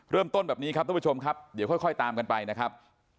แบบนี้ครับทุกผู้ชมครับเดี๋ยวค่อยตามกันไปนะครับ